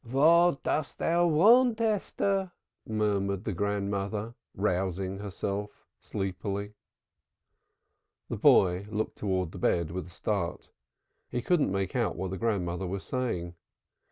"What dost thou want, Esther?" murmured the grandmother rousing herself sleepily. The boy looked towards the bed with a start He could not make out what the grandmother was saying.